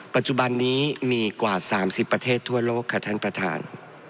ปัจจุบันนี้มีกว่า๓๐ประเทศทั่วโลกค่ะท่านประธาน